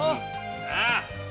さあ！